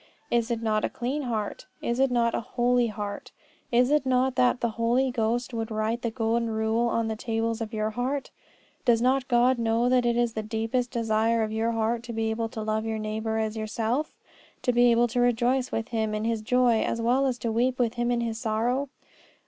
Is it not a clean heart? Is it not a holy heart? Is it not that the Holy Ghost would write the golden rule on the tables of your heart? Does not God know that it is the deepest desire of your heart to be able to love your neighbour as yourself? To be able to rejoice with him in his joy as well as to weep with him in his sorrow?